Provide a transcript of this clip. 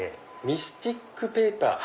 ミスティックペーパー。